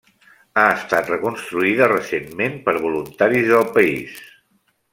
Ha estat reconstruïda recentment per voluntaris del país.